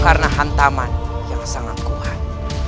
karena hantaman yang sangat kuat